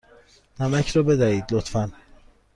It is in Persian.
نمک را بدهید، لطفا.